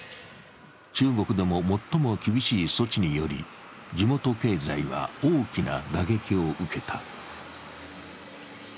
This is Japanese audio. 中国でも最も厳しい措置により地元経済は大きな打撃を受けた。